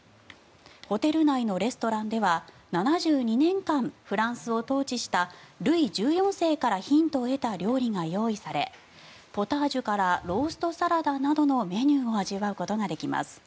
ホテル内のレストランでは７２年間フランスを統治したルイ１４世からヒントを得た料理が用意されポタージュからローストサラダなどのメニューを味わうことができます。